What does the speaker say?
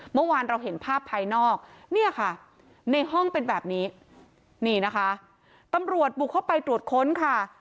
เมื่อวานเราเห็นภาพภายนอกเนี่ยค่ะในห้องเป็นแบบนี้นี่นะคะตำรวจบุกเข้าไปตรวจค้นค่ะ